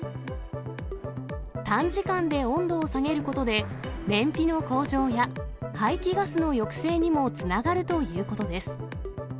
短時間で温度を下げることで、燃費の向上や、排気ガスの抑制にもつながるということです。